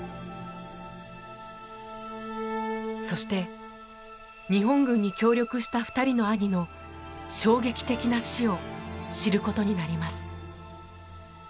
そして日本軍に協力した２人の兄の衝撃的な死を知ることになります。